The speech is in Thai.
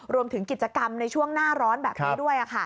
รวมถึงกิจกรรมในช่วงหน้าร้อนแบบนี้ด้วย